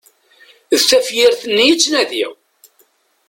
D tafyirt-nni i ttnadiɣ!